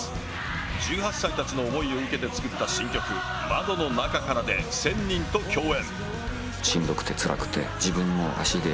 １８歳たちの思いを受けて作った新曲、窓の中からで１０００人と共演。